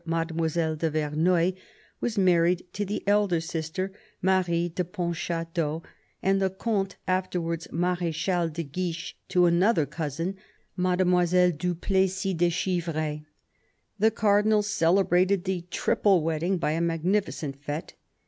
Mademoiselle de Verneuil, was married to the elder sister, Marie de Pontchateau, and the Comte, afterwards Marechal, de Guiche to another cousin, Mademoiselle du Plessis de Chivray. The Cardinal celebrated the triple wedding by a magnificent fete.